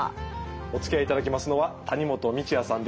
おつきあいいただきますのは谷本道哉さんです。